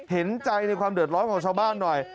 เห็นใจในความเดือดร้อนของชาวบ้านหน่อย